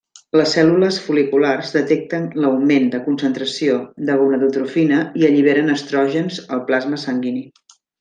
Les cèl·lules fol·liculars detecten l'augment de concentració de gonadotrofina i alliberen estrògens al plasma sanguini.